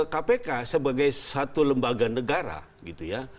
kpk sebagai satu lembaga negara gitu ya